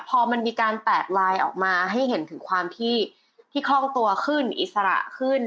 พอมันมีการแตกลายออกมาให้เห็นถึงความที่คล่องตัวขึ้นอิสระขึ้น